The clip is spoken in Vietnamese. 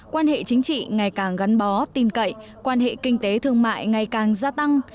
quan hệ chính trị ngày càng gắn bó tin cậy quan hệ kinh tế thương mại ngày càng gia tăng